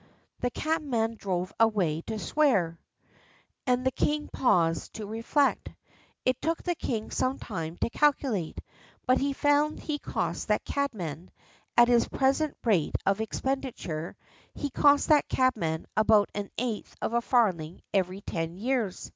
The cabman drove away to swear, and the king paused to reflect. It took the king some time to calculate, but he found he cost that cabman, at his present rate of expenditure he cost that cabman about an eighth of a farthing every ten years.